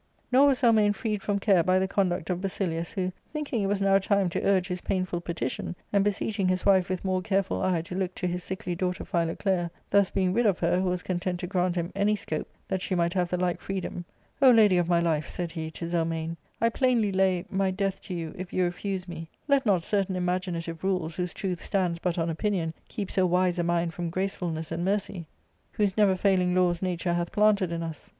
Nor was Zelmane freed from care by the conduct of Basi lius, who, thinking it was now time to urge his painful peti tion, and beseeching his wife with more careful eye to look to his sickly daughter Philoclea, thus being rid of her who was content to grant him any scope that she might have the like freedom, " O lady of my life," said he to Zelmane, " I plainly lay my death to you if you refuse me ; let not certain imaginative rules whose truth stands but on opinion keep so wise a mind from gracefulness and mercy, yyrhose never failing ARCADIA',— Book III. 405 laws nature hath planted in us."